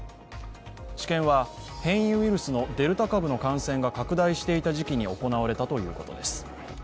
治験は変異ウイルスのデルタ株の感染が拡大していた時期に行われたということです。